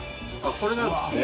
これなんですね。